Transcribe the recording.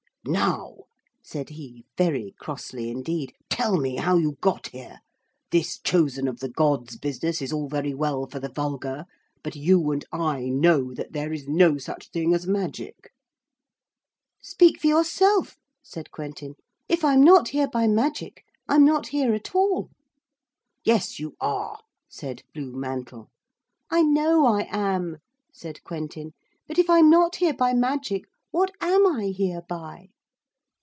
'Now,' said he, very crossly indeed, 'tell me how you got here. This Chosen of the Gods business is all very well for the vulgar. But you and I know that there is no such thing as magic.' 'Speak for yourself,' said Quentin. 'If I'm not here by magic I'm not here at all.' 'Yes, you are,' said Blue Mantle. 'I know I am,' said Quentin, 'but if I'm not here by magic what am I here by?'